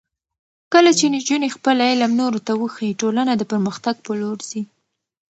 کله چې نجونې خپل علم نورو ته وښيي، ټولنه د پرمختګ په لور ځي.